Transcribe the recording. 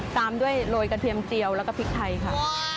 ตามด้วยโรยกระเทียมเจียวแล้วก็พริกไทยค่ะ